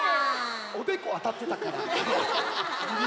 おでこあたってたから。